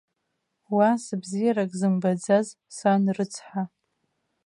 Уа, сыбзиарак зымбаӡаз, сан рыцҳа!